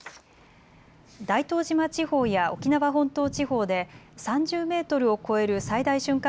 大東島地方や沖縄本島地方で３０メートルを超える最大瞬間